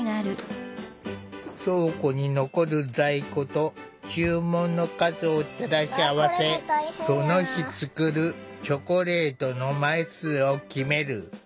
倉庫に残る在庫と注文の数を照らし合わせその日作るチョコレートの枚数を決める。